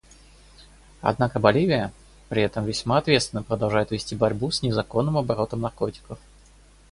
Однако Боливия, при этом весьма ответственно, продолжает вести борьбу с незаконным оборотом наркотиков.